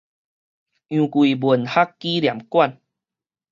楊逵文學紀念館